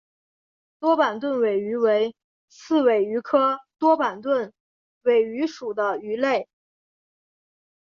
多板盾尾鱼为刺尾鱼科多板盾尾鱼属的鱼类。